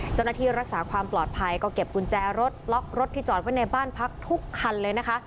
เจ้าหน้าที่รักษาความปลอดภัยก็เก็บกุญแจรถล็อกรถที่จอดไว้ในบ้านพักทุกคันเลยนะคะ